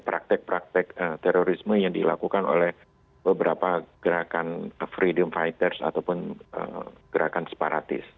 praktek praktek terorisme yang dilakukan oleh beberapa gerakan freedom fighters ataupun gerakan separatis